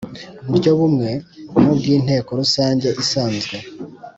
Buryo bumwe nk ubwinteko rusange isanzwe